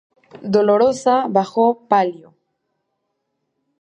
Dolorosa bajo palio.